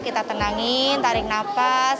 kita tenangin tarik nafas